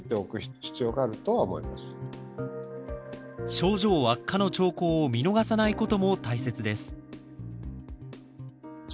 症状悪化の兆候を見逃さないことも大切です。